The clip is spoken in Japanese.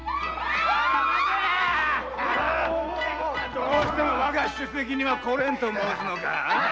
・どうしてもわが酒席には来れんと申すのか。